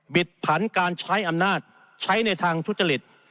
ดผันการใช้อำนาจใช้ในทางทุจริต